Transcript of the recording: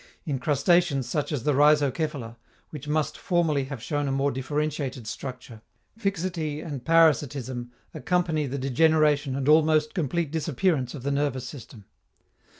In crustaceans such as the rhizocephala, which must formerly have shown a more differentiated structure, fixity and parasitism accompany the degeneration and almost complete disappearance of the nervous system.